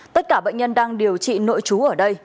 tất cả bệnh nhân đang điều trị nội trú ở đây